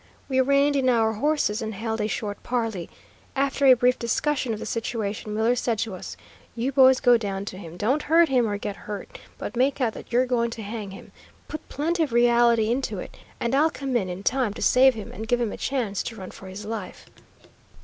We reined in our horses and held a short parley. After a brief discussion of the situation, Miller said to us: "You boys go down to him, don't hurt him or get hurt, but make out that you're going to hang him. Put plenty of reality into it, and I'll come in in time to save him and give him a chance to run for his life."